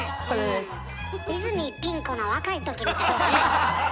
泉ピン子の若い時みたいよね。